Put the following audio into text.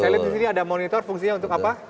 saya lihat di sini ada monitor fungsinya untuk apa